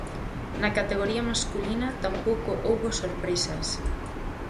Na categoría masculina, tampouco houbo sorpresas.